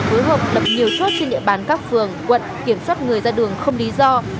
phối hợp lập nhiều chốt trên địa bàn các phường quận kiểm soát người ra đường không lý do